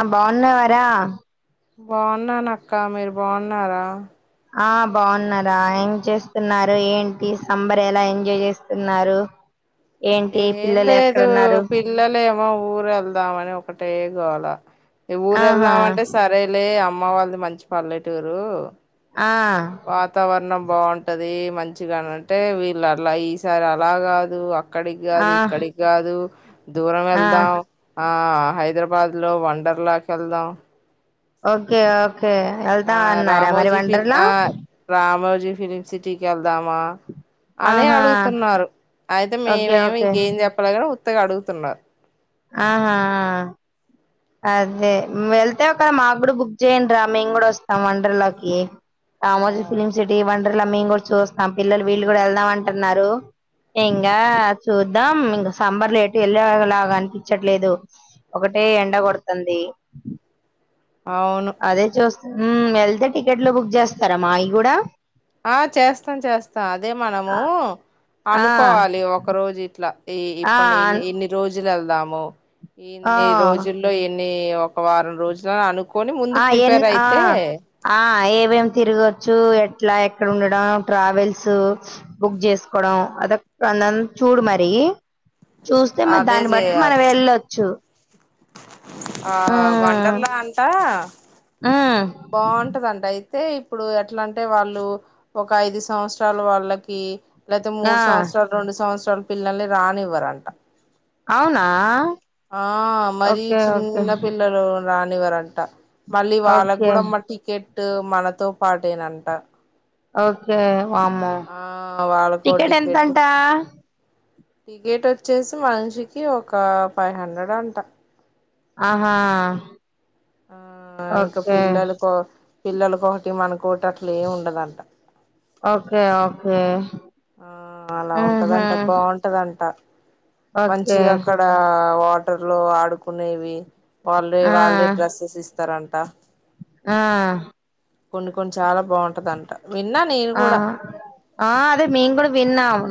ఆ బాగున్నా వార బాగున్నాన అక్క మీరు బాగున్నారా ఆ బాగున్నారా ఏం చేస్తున్నారు ఏంటి సంబర్ ఎలా ఎంజాయ్ చేస్తున్నారు ఏంటి ఏం పిల్లలు లేదు ఎక్కడున్నారు పిల్లలే ఏమో ఊరు వెళ్దామని ఒకటే గోల ఊరు ఆహా వెళ్దామ అంటే సరేలే అమ్ అమ్మ వాళ్ళది మంచి పల్లెటారు ఆ వాతావరణం బాగుంటది మంచిగాని అంటే వీళ్ళ అలా ఈసారి అలా కాదు అక్కడికి ఆ కాదు ఇక్కడి కాదు దూరం ఆ వెళ్దాం ఆ హైదరాబాద్ లో వండర్ లాకి వెళ్దాం ఓకే ఓ ఆ రామోజీ ఫి ఆ రామోజీ ఫిలిం సిటీకి వెళ్దామా అని ఆహా అడుగుతున్నారు అయితే ఓకే మేమేమి ఓకే ఇంకేం చెప్పాలిగా కొత్తగా అడుగుతున్నారు ఆహా అదే వె అయితే ఒక మాకు కూడా బుక్ చేయడిరా మేము కూడా వస్తాం వండర్ లాకి ఆ మ ఫిమ్ సిటీ మేము కూడా చూస్తాం పిల్లలు వీళ్ళు కూడా వెళ్దాం అంటున్నారు ఇంకా చూద్దాం ఇంకా సంబర్లు ఎటు వెళ్ళలాగాంటే ఇచ్చట్లేదు ఒకటే ఎండ కొడుతుంది అవును అదే చూస్త ఉమ్ ఎల్ అ టికెట్లు బుక్ చేస్తారా మావి కూడా ఆ చేస్తా చేస్తా అదే మనము ఆ అనుకోవాలి ఒక రోజు ఇ ఇట్లా ఈ ఆ ఇప్పండు ఇన్ని ఇన్ని రోజుల దాము ఆ ఇన్ని రోజుల్లో ఎన్ని ఒక్ ఒక వారం రోజుల అనుక్ ఆ ఎన్ ఆ ఆ ఏవేం తిరగొచ్చు ఎట్లా ఎక్కడ ఉండడం ట్రావెల్స్ బుక్ జేసుకోవడం అదొక్ అంద చూడు మరి చూస్తే మరి అదే దాన్ని బట్టి మనం చేయాలి వెళ్ళొచ్చు. ఆ ఉమ్ వండర్లా అంటా ఉమ్ బాగుంటదంట ఐ తే ఇప్పుడు ఎట్ల అంటే వాళ్ళు, ఒక ఐదు సంవత్సరాలు వాళ్ళకి లేతే ఆ మూడు సంవత్సరాలు రెండు సంవత్స టోల్ పిల్లల్ని రానివ్వరంట అవునా? ఆ, మరీ ఓకే ఓకే చిన్న పిల్లలు ఉన్ రాన్నీవరంట. మళ్ళీ వాళ్ళకి ఓకే గూడ మరి టికెట్ టు మనతో పాటేనంట. ఓకే వామ్మో, ఆ టికెట్ ఎంతంట? చ్చేసి మనిషికి ఒక ఫైవ్ హండ్రెడ్ అంట. ఆహా ఆ ఇంక ఓకే పిల్లల కో పిల్లలకొకటి మనకోటి అట్లెం ఉండదంట. ఓకే ఓకే ఆ అలా ఉహు ఉంటదంట బావుంటదంట. ఓకే మంచిగ అక్కడ వా వాటర్ లో ఆడుకునేవి వాల్లే ఆ వాల్లే డ్రెస్యెస్ ఇస్ తరంట ఉమ్ కొన్ని కొన్ని చాలా బాగుంటది అంట. ఆ ఆ అదే మేం కూడా విన్నాము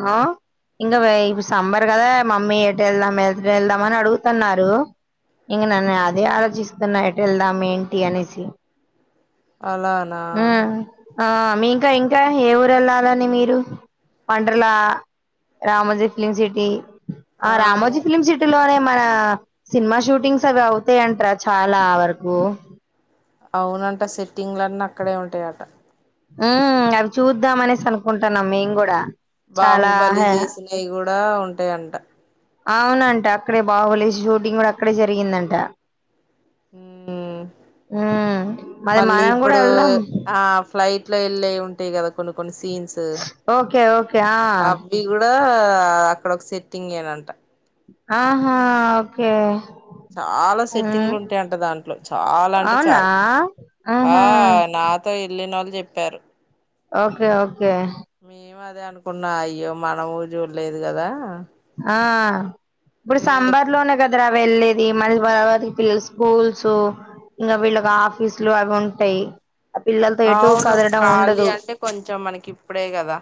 ఇంకా [unintelligible] సమ్మర్ కదా మమ్మీ ఎట వెళ్దాం ఎదుట వెళ్దాం అని అడుగుతున్నారు [unintelligible] అదే ఆలోచిస్త ఎట్లేదం ఏంటి అనేసి అలానా ఉమ్ ఆ మీంకా ఇం ఇంకా ఏ ఊరు వెళ్ళాలని మీరు వండర్లా రామజీ ఫిలిం సిటీ ఆ రామోజీ ఫిలిమ్ సిట్లో మన సినిమా షూటింగ్స్ అవి అవుతాయంటార చాలా వరకు అవునంట సెట్టింగ్ ల అన్నీ అక్కడే ఉంటాయిట ఉ అవి చూద్దామ అనేసి అనుకుంటున్నాం మేం కూడా చాలా బాహుబలి చేసినావి కూడా అ ఉంటాయింట అవున అంట అక్కడే బాగులేసి షూటింగ్ కూడా అక్కడే జరిగిందంట ఉమ్ మరి మళ్ళీ మనం కూడా ఇప్పుడు వెళ్దాం ఆ ఫ్లైట్ ఇట్లో వెళ్ళ ఉంటాయి కదా కొ సీన్స్ ఓకే ఓకే ఆ అవి కూడా అక్కడ ఒక సెట్టింగ్ ఏనంట ఆహా ఓకే చాలా ఉమ్ సెట్టింగ్లు ఉంటాయంట దాంట్లో చాలా అంటే అవునా చాలా ఆ ఉహు నాతో వెళ్ళిన వాళ్ళు చెప్పారు ఓకే ఓకే మేము అదే అనుకున్నా అయ్యో మనము చూడలేదు కదా ఆ ఇప్పుడు ఇక సాంబార్ లోనే కదా రా వెళ్ళలేది మళ్ళీ తర్వాత పిల్లలు స్కూల్స్ ఇంకా వీళ్ళ ఒక ఆఫీసులు అవి ఉంటాయి ఆ పిల్లలతో ఎటు అవును కదలడం ఖాళీ ఉండదు అంటే కొంచెం మనకి ఇప్పుడే కదా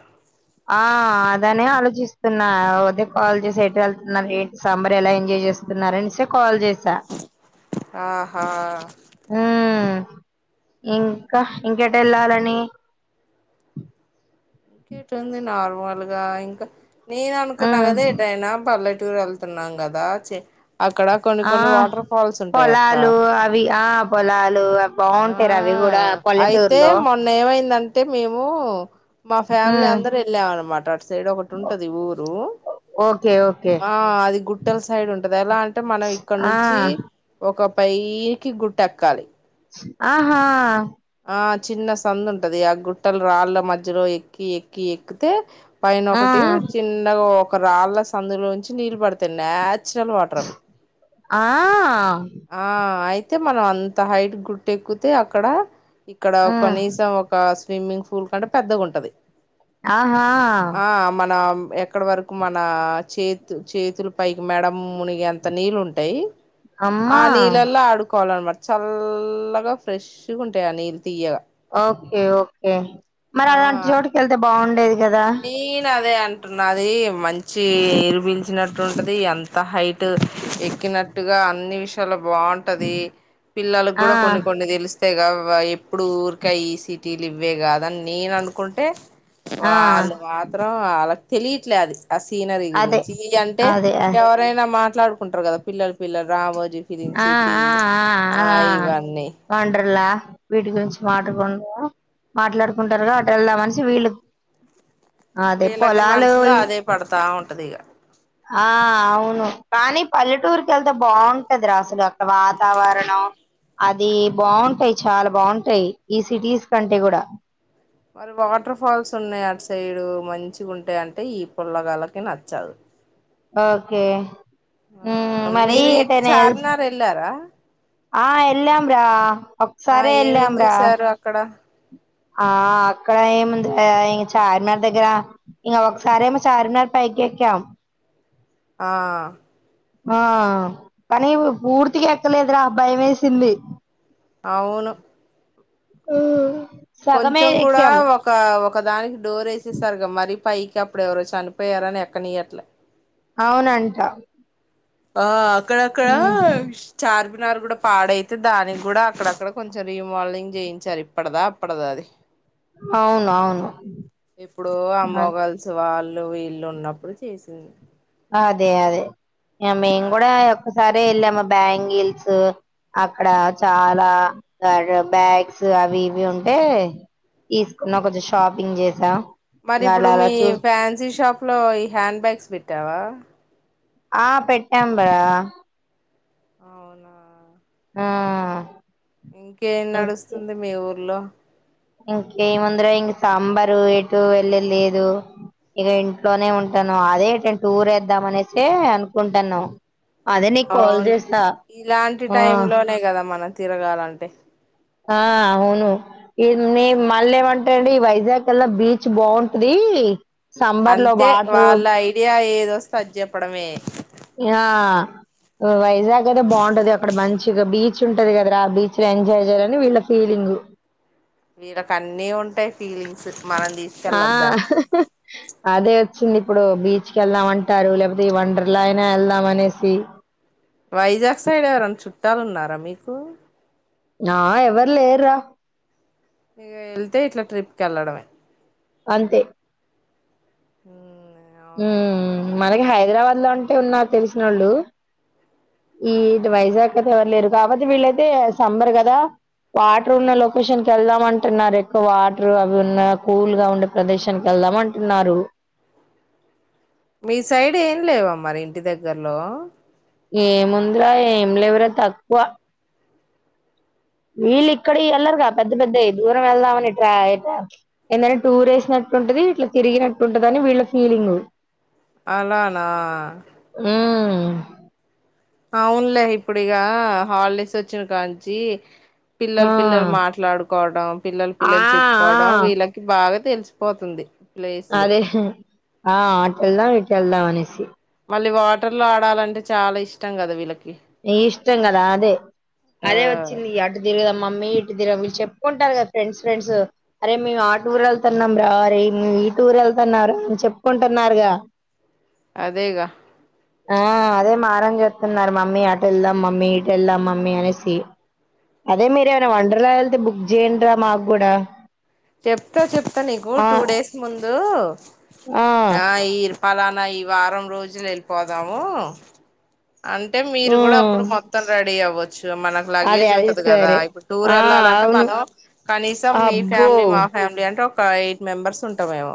ఆ అదనే ఆలోచిస్తున్నా, దే కాల్ చేసి ఎట్ వెళ్తున్నారు లే సాంబర్ ఎలా ఎంజాయ్ చేస్తున్నారుని కాల్ చేసి ఆహా ఉ ఇంకా ఇంకెట వెళ్ళాలని ఇంకేట ఉంది నార్మల్గా ఇంకా నేను అనుకున్నా ఉమ్ కదా ఏ టానా పర్ల చుూరు వెళ్తున్నాం కదా చె ఆ అక్క పొలాలు అవి ఆ పొలాలు ఆ బాగుంటారు అవి కూడా అయితే పల్లెటూరులో మొన్న ఏమైందంటే, మేము మా ఫ్యామిలీ ఉమ్ అందరూ వెళ్ళామ అనమాట అటు సైడ్ ఒకటి ఉంటది ఊరు, ఓకే ఓకే ఆ అది గుట్టెల సైడ్ ఉంటది ఎలా అంటే మనం ఇక్కడ ఆ నుంచి ఒక పైకి గుట్ట ఎక్కాలి ఆహా ఆ చిన్న సందు ఉంటది ఆ గుట్టలు రాళ్ళ మధ్యలో ఎక్కి ఎక్కి ఎక్కితే పైన ఆ ఒకటి చిన్నగా ఒ క రాళ్ళ సందులో నుంచి నీళ్లు పడుతయి న్యా చురల్ వాటర్ అవి ఆ ఆ అయి తే మనం అంత హైట్ గుట్టెక్కుతే అక్కడ ఇక్కడ ఉమ్ కనీసం ఒక స్విమ్మింగ్ పూల్ కంటే పెద్దగా ఉంటది ఆహా ఎక్కడ వరకు మన చేతు చేతుల పైకి మెడ మునిగే అంత నీళ్ళు ఉంటయి ఆ అమ్మా నీళ్లల్ల ఆడు కోవాల అన్నమాట చల్లగా ఫ్రెష్ గా ఉంటయి ఆ నీళ్ళు తీయగా ఓకే ఓకే మరి అలాంటి ఆ చోటుకెళ్తే బాగుం నేను అదే అంటున్న అదీ మంచి లిచినట్టుంటది అం త హైట్ ఎక్కినట్టుగా అన్ని విషయాలు బాంటది పిల్లలకు ఆ కూడ కొన్ని కొన్ని తెలు స్తేగా ఎప్పుడు ఊరికా ఈ సిటీలు ఇవ్వే గాదని నేను అనుకుంటే ఆ వాళ్ళు మాత్రం ఆళ్ళకు తెలిట్లే అది ఆ సీనరీ అదే గురించి ఇగ అంటే అదే అ ఎవరైనా మాట్లాడు కుంటరు కదా పిల్లలు పిల్లలు రామో ఆ ఆ ఆ ఆ ఇవన్నీ వండ్రల్ల వీటి గురించి మాటాకుం మాట్లాడుకుంటారు గా అటు వెళ్దామనేసి వీళ్ళు అదే వీళ్ళకి పొలాలు మనుసులో ఇవ్ అదే పడతా ఉంటది ఇగ ఆ అవును కానీ పల్లెటూరుకెళ్తే బాగుంటది రా అసలు అంత వాతావరణం అది బాగుంటాయి చాలా బాగుంటాయి ఈ సిటీస్ కంటే కూడ మరి వాటర్ ఫాల్స్ ఉన్నాయి అటు సైడు మంచిగుంటయంటే ఈ పుల్లగాల్లకి నచ్చదు ఓకే ఆ మ్మ్ మరీ మీరు ఇటు ఎటైనా చార్మినార్ వెళ్ళారా ఆ యెళ్ళాం రా ఆ ఒక్కసారే ఏమేం వెళ్ళాం రా చేసారు అక్కడ ఆ అక్కడ ఏముంది ఇంగ చార్మినార్ దగ్గర ఇంగ ఒకసారి ఏమో చార్మినార్ పైకి ఎక్కాం ఆ ఆ కానీ పూర్తిగా ఎక్కలేదురా భయం వేసింది అవును ఆ కొంచం కూడా ఒక ఒక దానికి డోర్ వేసేస్తారు కదా మరి పైకి అప్పుడు ఎవరో చనిపోయారని ఎక్కనియ్యట్లే అవునంట ఆ ఇక్కడ అక్కడ ఆ ఉమ్, చార్మినార్ చార్మినార్ కూడా పాడైతే దానికి కూడా అక్కడక్కడ కొంచెం రీమోడలింగ్ చేయించారు ఇప్పుడదా అప్పడదా అది అవును అవును ఎప్పుడో ఆ అను మొగల్స్ వాళ్ళు వీళ్ళు ఉన్నప్పుడు చేసింది అదే అదే ఆ మేం కూడా సరే వెళ్ళామా బ్యాంగిల్స్ అక్కడ చాలా బ్యాగ్స్ అవి ఇవి ఉంటే తీసుకున్నా కొంచెం షాపింగ్ చేసాం మరి ఇప్పుడు మీ ఫ్యాన్సీ షాప్ లో హ్యాండ్ బ్యాగ్స్ పెట్టావా ఆ పెట్టాం రా అవునా ఆ ఇంకేం నడుస్తుంది మీ ఊర్లో ఇంకే ఉంది రా ఇంక సమ్మర్ ఎటు వెళ్ళేదిలేదు ఇక ఇంట్లోనే ఉంటాను అదే టూర్ వేద్దాం అనేసి అనుకుంటాన్నామ్ అవును ఇలాంటి టైమ్ ఆ లోనే కదా మనం తిరగాలంటే ఆ అవును ఇ న ప్రశాంత్ మళ్ళీ ఏమంటాండి వైజాగ్ ఎలా బీచ్ బావుంటది అంతే వాళ్ళ ఐడియా ఏదో తజప్పడమే [unintelligible] ఆ వైజాగ్ అయితే బాగుంటది అక్కడ మంచిగా బీచ్ ఉంటది రా కదా ఆ బీచ్ లో ఎంజాయ్ చేయాలని వీళ్ళ ఫీలింగ్ వీళ్ళకు అన్నీ ఉంటాయి ఫీలింగ్స్ మనం ఆ తీసుకెళ్ళొద్దా హా అదే వచ్చింది ఇప్పుడు బీచ్ కి వెళ్దాం అంటారు లేకపోతే వండర్ లా అయినా వెళ్దాం అనేసి వైజాగ్ సైడ్ ఎవరన్నా చుట్టాలు ఉన్నార రా మీకు ఆ ఎవరు లేరు రా ఇగ వెళ్తే ఇట్లా ట్రిప్ కి వెళ్ళడమే అంతే ఉ ఉ మనకి హైదరాబాద్ లో అంటే ఉన్నారు తెలిసినోళ్ళు ఈది వైజాగ్ అతే ఎవరు లేరు కాబట్టి వీళ్ళయితే సంబర్ కదా, వాటర్ ఉన్న లొకేషన్ కి వెళ్దామ అంటున్నారు ఎక్కువ వాటర్ అవి ఉన్న కూల్ గా ఉండే ప్రదేశానికి వెళ్దామ అంటున్నారు. మీ సైడ్ ఏం లేవా మరి ఇంటి దగ్గర్లో ఏముందిరా ఏం లేవరా తక్కువ వీళ్ళు ఇక్కడికి వెళ్లరు కదా పెద్ద పెద్ద దూరం వెళ్దాం అని టూర్ వేసినట్టు ఉంటది, ఇట్లా తిరిగినట్టు ఉంటది అని వీళ్ళ ఫీలింగ్ అలానా ఉ అవునులే ఇప్పుడు ఇక హాలిడేస్ వచ్చిన కాంచి పిల్లల ఆ పిల్లలు మాట్లాడుకోవడం, పిల్లల ఆ పిల్లలు చెప్పుకోవడం వీళ్ళకి బాగా తెలిసిపోతుంది ప్లేసులు అదే ఆ అటెల్దాం ఇటెల్దాం అనేసి మళ్ళీ వాటర్ లో ఆడాలంటే చాలా ఇష్టం కదా వీళ్ళకి ఇష్టం కదా అదే ఆ అదే వచ్చింది ఈ అటు తిరుగుదామ్ మమ్మీ ఇటుదిరం వీళ్ళు చెప్పుకుంటారు కదా ఫ్రెండ్స్ ఫ్రెండ్స్, అరే మేము ఆ టూర్ వెళ్తున్నాం రా అరే ఈ టూర్ వెళ్తున్నారా అని చెప్పుకుంటున్నారుగా అదేగా ఆ అదే మారం చేస్తున్నారు మమ్మీ అట వెళ్దాం మమ్మీ ఇటు వెళ్దాం మమ్మీ అనేసి, అదే మీరు ఏమైనా వండర్లా వెళ్తే బుక్ చేయండిరా మాకు కూడా చెప్తా చెప్తా నీకు ఆ టూ డేస్ ముందు ఆ ఈ పలానా ఈ వారం రోజులు వెళ్ళిపోదాము అంటే మీరు కూడా ఉమ్ అప్పుడు మొత్తం రెడీ అవ్వ మనకు అదే లగేజ్ అది ఉంటది కదా సరే ఇప్పుడు టూర్ ఆ వెళ్లాలంటే, అవును మనం కనీసం మీ అబ్బో ఫ్యామిలీ మా ఫ్యామలీ అంటే ఒక ఎయిట్ మెంబర్స్ ఉంటాం మేము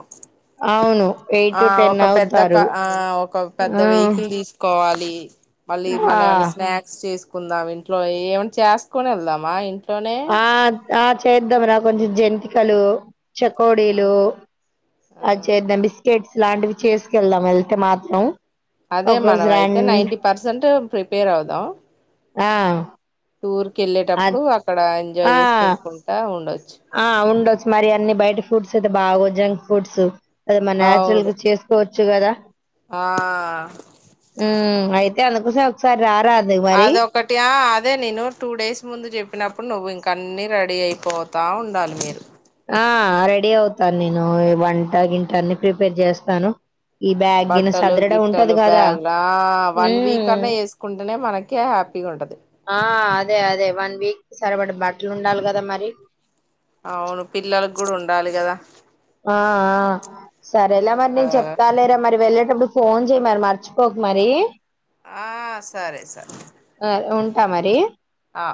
అవును ఎయిట్ ఆ టు టెన్ ఒక పెద్ద అవుతారు క ఆ ఒక పెద్ద ఆ వెహికల్ తీసుకోవాలి ది మళ్ళీ మన ఏమన్న ఆ స్నాక్స్ చేసు కుందాం ఇంట్లో ఏమ చేసుకుని వెళ్దామా ఇం తోనే ఆ ఆ చేద్దాం రా కొంచెం జంతికలు ఆ చకోడీలు ఆ అ చేద్దాం బిస్ కేక్స్ లాంటివి చేసుకెళ్దాం వెళ్తే మాత్రం అదే ఒక రోజు మనం అయితే run ninety percent prepare అవుదాం ఆ టూర్ కి అద్ వెళ్ళేటప్పుడు అక్కడ ఎంజాయ్ ఆ చేసి తినుకుంటా ఉండోచ్చు బాగొ జంక్ ఫుడ్స్ అది మన అవును న్యాచురల్గా చేసుకోవచ్చు వచ్చు గదా ఆ ఇయ్యల ఒక్కసారీ ఒక్కసారీ రారాదు మరి అదొక్కటియా అద్ అదే నేను టూ డేస్ ముందు చెప్పినప్పుడు నువ్వు ఇంక అన్న రెడీ అయిపోతా ఉండాలి మీరు ఆ రెడీ అవుతాను నేను వంట గింటా అన్ని ప్రిపేర్ చేస్తాను ఈ బ్యాగ్ గిన బట్టలు సదరడం గిట్టలు ఉంటది కదా బ్యాగుల ఆ వన్ వీక్ హ్మ్ అన్నా వేసుకుంటేనే మనకే హ్యాపీగా ఉంటది ఆ అదే అదే వన్ వీక్ సరపడ బట్టలు ఉండాలి కదా మరి అవును పిల్లలకి కూడా ఉండాలి గదా ఆ ఆ సరేలా మరి నేను ఆ చెప్తా లేరా మరి వెళ్ళట్ ఇప్పుడు ఫోన్ చేయ్ మరి మర్చిపోక మరి ఆ సరే సరే ట మరి అ